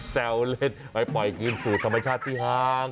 แซวเล่นไปปล่อยคืนสู่ธรรมชาติที่ห่าง